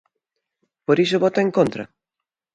¿Por iso vota en contra?